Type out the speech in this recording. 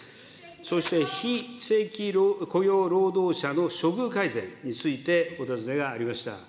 そして非正規雇用労働者の処遇改善についてお尋ねがありました。